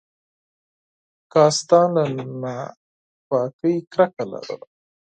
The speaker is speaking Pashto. کاستان له ناپاکۍ کرکه لرله.